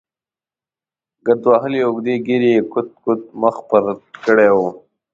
ګرد وهلې اوږدې ږېرې یې کوت کوت مخ پټ کړی و.